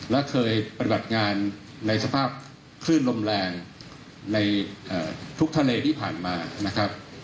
และเคยปฏิบัติงานในสภาพคลื่นลมแรงในทุกทะเลที่ผ่านมานะครับ